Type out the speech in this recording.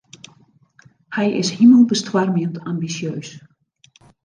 Hy is himelbestoarmjend ambisjeus.